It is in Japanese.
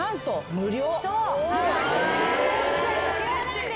無料⁉